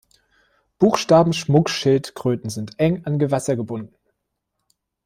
Buchstaben-Schmuckschildkröten sind eng an Gewässer gebunden.